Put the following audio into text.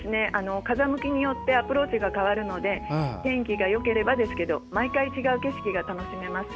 風向きによってアプローチが変わるので天気がよければですけど毎回違う景色が楽しめます。